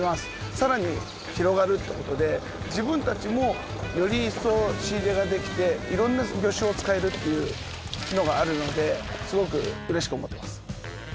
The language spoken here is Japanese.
さらに広がるって事で自分たちもより一層仕入れができて色んな魚種を使えるっていうのがあるのですごく嬉しく思ってます。